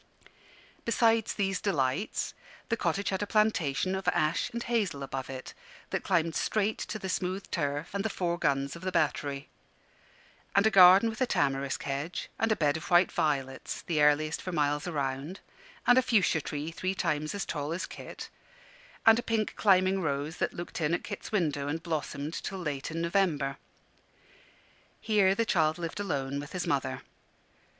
Besides these delights, the cottage had a plantation of ash and hazel above it, that climbed straight to the smooth turf and the four guns of the Battery; and a garden with a tamarisk hedge, and a bed of white violets, the earliest for miles around, and a fuchsia tree three times as tall as Kit, and a pink climbing rose that looked in at Kit's window and blossomed till late in November. Here the child lived alone with his mother.